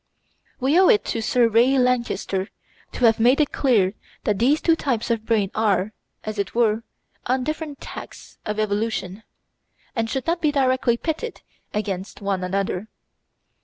We owe it to Sir Ray Lankester to have made it clear that these two types of brain are, as it were, on different tacks of evolution, and should not be directly pitted against one another.